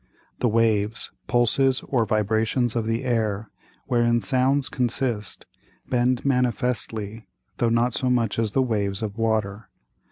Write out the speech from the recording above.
The Waves, Pulses or Vibrations of the Air, wherein Sounds consist, bend manifestly, though not so much as the Waves of Water.